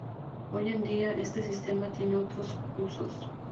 Hoy en día, este sistema tiene otros usos.